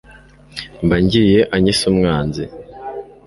mba ngiye anyise umwanzi